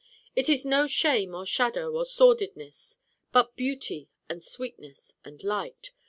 It is no shame or shadow or sordidness: but beauty and sweetness and light.